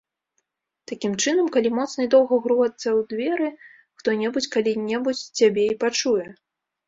Такім чынам, калі моцна і доўга грукацца ў дзверы, хто-небудзь калі-небудзь цябе і пачуе.